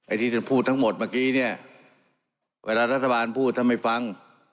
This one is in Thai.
ที่ท่านพูดทั้งหมดเมื่อกี้เนี่ยเวลารัฐบาลพูดถ้าไม่ฟัง